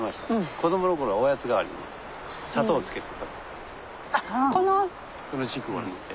子どもの頃はおやつ代わりに砂糖つけて食べてた。